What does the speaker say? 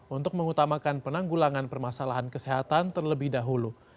untuk mengutamakan penanggulangan permasalahan kesehatan terlebih dahulu